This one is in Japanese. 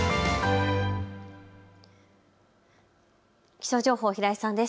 気象情報、平井さんです。